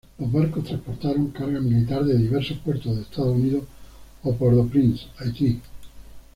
Los barcos transportaron carga militar de diversos puertos de Estados Unidos a Port-au-Prince, Haití.